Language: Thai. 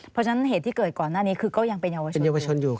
เพราะฉะนั้นเหตุที่เกิดก่อนหน้านี้คือก็ยังเป็นเยาวชน